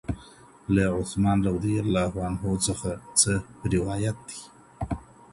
له عثمان رضي الله عنه څخه څه روایت دی؟